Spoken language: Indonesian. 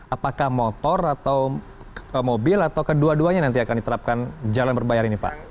apakah motor atau mobil atau kedua duanya nanti akan diterapkan jalan berbayar ini pak